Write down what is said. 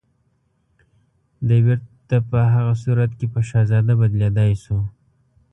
دی بيرته په هغه صورت کې په شهزاده بدليدای شو